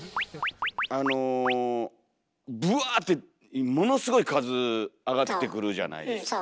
あのブワーッてものすごい数上がってくるじゃないですか。